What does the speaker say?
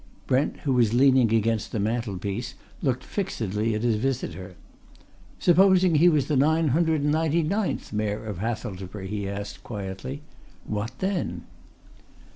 Brent, who was leaning against the mantelpiece, looked fixedly at his visitor. "Supposing he was the nine hundred and ninety ninth Mayor of Hathelsborough," he asked quietly, "what then?"